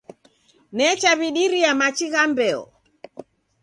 Nechaw'idiria machi gha mbeo.